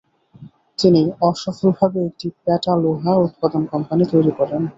তিনি অসফলভাবে একটি পেটা লোহা উৎপাদন কোম্পানী তৈরি করেন।